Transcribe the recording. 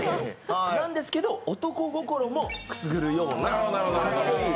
なんですけど男心もくすぐるような。